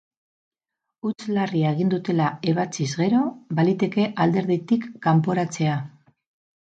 Huts larria egin dutela ebatziz gero, baliteke alderditik kanporatzea.